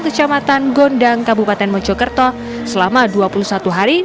kecamatan gondang kabupaten mojokerto selama dua puluh satu hari